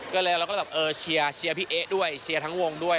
ก็เลยเราก็แบบเออเชียร์พี่เอ๊ะด้วยเชียร์ทั้งวงด้วย